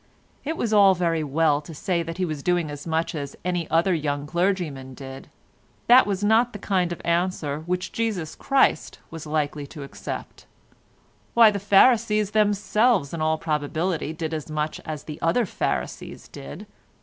It was all very well to say that he was doing as much as other young clergymen did; that was not the kind of answer which Jesus Christ was likely to accept; why, the Pharisees themselves in all probability did as much as the other Pharisees did.